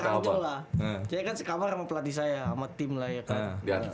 di luar hangzhou lah saya kan sekamar sama pelatih saya sama tim lah ya kan